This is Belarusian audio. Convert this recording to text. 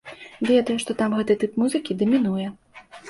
Ведаю, што там гэты тып музыкі дамінуе.